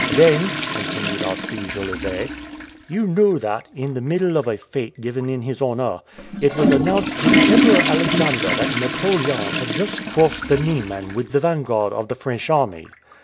"Then," continued Alcide Jolivet, "you know that, in the middle of a fête given in his honor, it was announced to the Emperor Alexander that Napoleon had just crossed the Niemen with the vanguard of the French army.